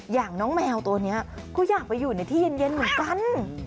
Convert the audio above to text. อย่างน้องแมวตัวนี้ก็อยากไปอยู่ในที่เย็นเหมือนกัน